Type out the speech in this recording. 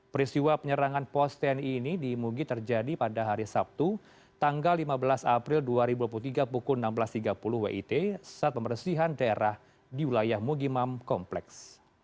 peristiwa penyerangan pos tni ini di mugi terjadi pada hari sabtu tanggal lima belas april dua ribu dua puluh tiga pukul enam belas tiga puluh wit saat pembersihan daerah di wilayah mugimam kompleks